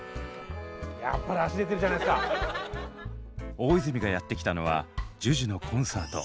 大泉がやって来たのはＪＵＪＵのコンサート。